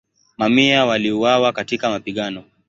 Mamia waliuawa katika mapigano.